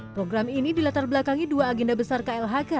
program ini dilatar belakangi dua agenda besar klhk